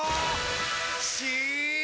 し！